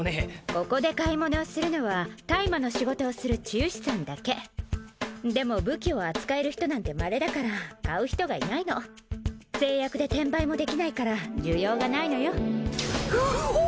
ここで買い物をするのは退魔の仕事をする治癒士さんだけでも武器を扱える人なんてまれだから買う人がいないの誓約で転売もできないから需要がないのようっほ！